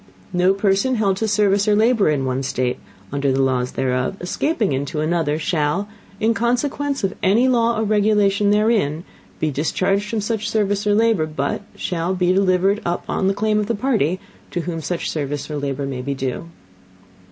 No person held to Service or Labor in one State, under the Laws thereof, escaping into another, shall, in Consequence of any Law or Regulation therein, be discharged from such Service or Labor, But shall be delivered up on Claim of the Party to whom such Service or Labor may be due.